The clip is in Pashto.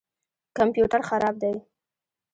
کمپیوټر خراب دی